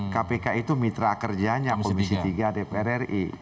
kpk itu mitra kerjanya komisi tiga dpr ri